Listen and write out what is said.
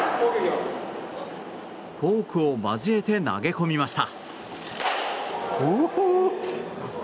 フォークを交えて投げ込みました。